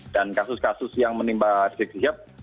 dan kasus kasus yang menimpa riseg siap